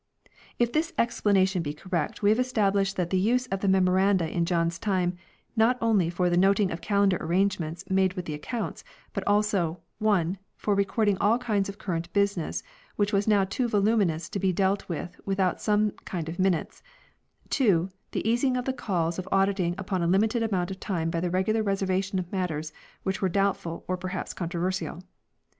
1 If this explanation be correct we have established the use of the Memoranda in John's time not only for the noting of calendar arrangements made with ac counts but also (i) for recording all kinds of current business which was now too voluminous to be dealt with without some kind of Minutes ; (2) the easing of the calls of auditing upon a limited amount of time by the regular reservation of matters which were doubtful or perhaps controversial.